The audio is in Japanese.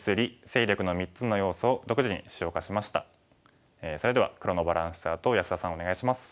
講座ではそれでは黒のバランスチャートを安田さんお願いします。